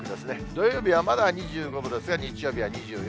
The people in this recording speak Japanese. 土曜日はまだ２５度ですが、日曜日は２４度。